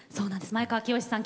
前川清さん